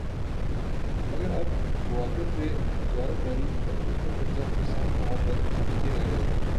مگر اب گوادر پر اجارہ داری اور اس پر قبضہ ہندوستان کا خواب بن کے رہ گیا۔